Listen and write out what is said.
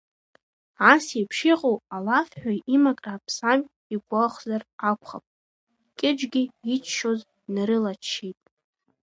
Ас еиԥш иҟоу алафҳәаҩ имакра аԥсам игәахәзар акәхап, Кьыџьгьы иччоз днарылаччеит.